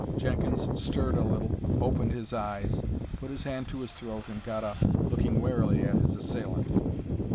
Jenkins stirred a little, opened his eyes, put his hand to his throat, and got up, looking warily at his assailant.